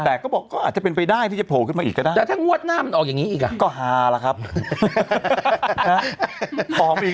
แต่ก็บอกก็อาจจะเป็นประโยชน์ที่จะโผล่ขึ้นอย่างนี้อีกก็ได้